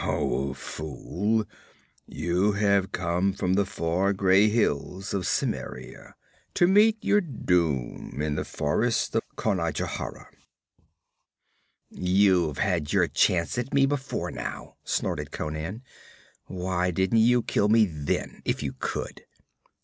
Oh, fool, you have come from the far gray hills of Cimmeria to meet your doom in the forests of Conajohara.' 'You've had your chance at me before now,' snorted Conan. 'Why didn't you kill me then, if you could?'